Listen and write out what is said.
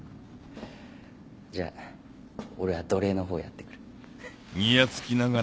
じゃあ俺は奴隷の方やってくる。